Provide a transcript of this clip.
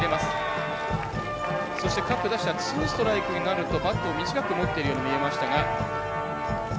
ツーストライクになるとバットを短く持っているように見えましたが。